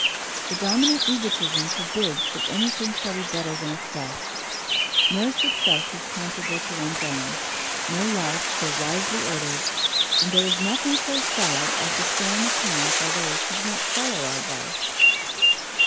The dominant egotism forbids that anything shall be better than itself. No success is comparable to one's own, no life so wisely ordered, and there is nothing so sad as the fame attained by those who do not follow our advice.